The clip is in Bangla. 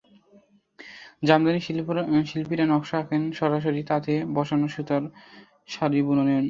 জামদানির শিল্পীরা নকশা আঁকেন সরাসরি তাঁতে বসানো সুতোয় শাড়ির বুননে বুননে।